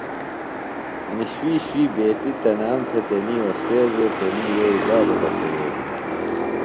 انیۡ شُوۡئی شُوۡئی بیتیۡ تنام تھےۡ تنیۡ اوستیذِئے یئیے بابہ پشَویلیۡ ہِنیۡ۔